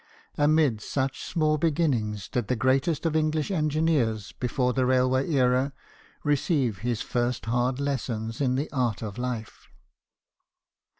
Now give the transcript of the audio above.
Amid such small beginnings did the greatest of English engineers before the railway era receive his first hard lessons in the art of life.